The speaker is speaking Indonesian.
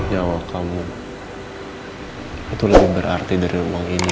jawab kamu itu lebih berarti dari uang ini